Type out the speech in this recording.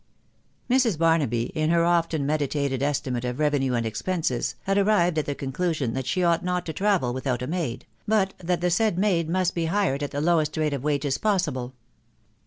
♦Mrs. Barnaby, in her often meditated estimate of revenue and expenses, had arrived at the conclusion that she ought not to travel without a maid, but that the said maid must be hired at the lowest rate of wages possible.